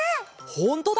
ほんとだ！